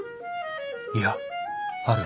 いやある